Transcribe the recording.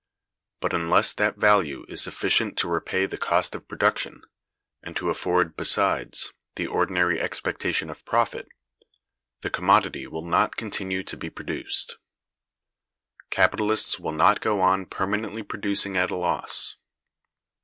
But unless that value is sufficient to repay the Cost of Production, and to afford, besides, the ordinary expectation of profit, the commodity will not continue to be produced. Capitalists will not go on permanently producing at a loss.